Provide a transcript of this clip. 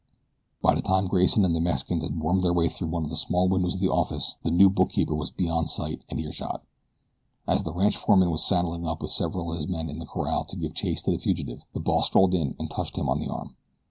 By the time Grayson and the Mexicans had wormed their way through one of the small windows of the office the new bookkeeper was beyond sight and earshot. As the ranch foreman was saddling up with several of his men in the corral to give chase to the fugitive the boss strolled in and touched him on the arm.